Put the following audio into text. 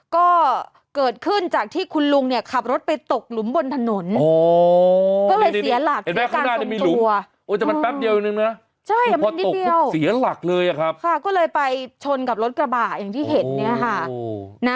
ก็เกิดขึ้นจากที่คุณลุงเนี่ยขับรถไปตกหลุมบนถนน